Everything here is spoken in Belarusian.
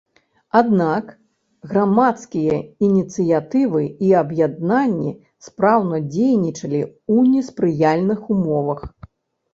Аднак, грамадскія ініцыятывы і аб'яднанні спраўна дзейнічалі ў неспрыяльных умовах.